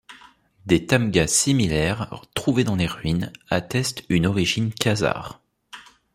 Des tamgas similaires trouvés dans les ruines attestent une origine khazare.